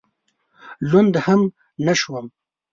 لوند هم نه شوم.